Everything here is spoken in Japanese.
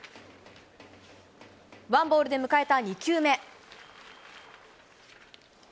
ワンボールで迎えた２球目。